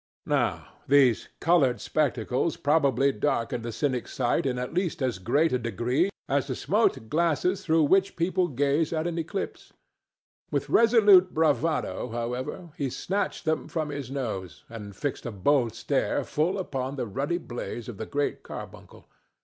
Now, these colored spectacles probably darkened the cynic's sight in at least as great a degree as the smoked glasses through which people gaze at an eclipse. With resolute bravado, however, he snatched them from his nose and fixed a bold stare full upon the ruddy blaze of the Great Carbuncle.